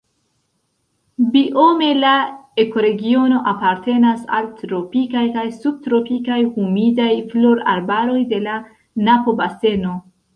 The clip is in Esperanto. Biome la ekoregiono apartenas al tropikaj kaj subtropikaj humidaj foliarbaroj de la Napo-baseno.